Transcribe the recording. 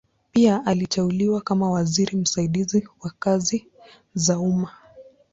Pia aliteuliwa kama waziri msaidizi wa kazi za umma.